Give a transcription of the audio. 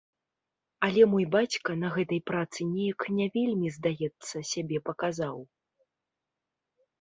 Але мой бацька на гэтай працы неяк не вельмі, здаецца, сябе паказаў.